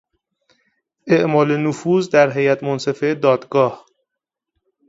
اعمال نفوذ در هیات منصفه دادگاه